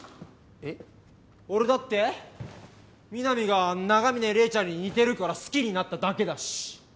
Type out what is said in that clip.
俺だってみなみが長峰レイちゃんに似てるから好きになっただけだし。